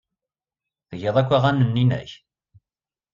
Tgiḍ akk aɣanen-nnek?